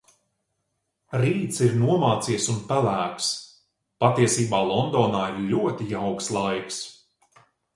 Rīts ir nomācies un pelēks. Patiesībā Londonā ir ļoti jauks laiks.